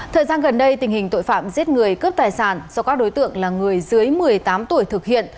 thời gian gần đây tình hình tội phạm giết người cướp tài sản do các đối tượng là người dưới một mươi tám tuổi thực hiện